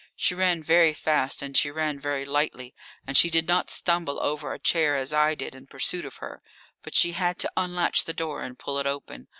She ran very fast and she ran very lightly, and she did not stumble over a chair as I did in pursuit of her. But she had to unlatch the door and pull it open.